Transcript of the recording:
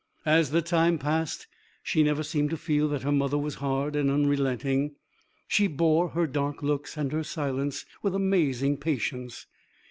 As the time passed she never seemed to feel that her mother was hard and unrelenting. She bore her dark looks and her silence with amazing patience.